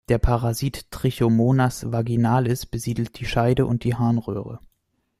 Der Parasit "Trichomonas vaginalis" besiedelt die Scheide und die Harnröhre.